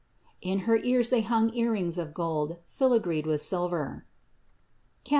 81. In her ears they hung earrings of gold, filigreed with silver (Cant.